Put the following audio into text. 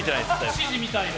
指示みたいな。